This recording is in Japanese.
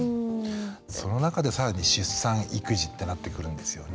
その中で更に出産育児ってなってくるんですよね。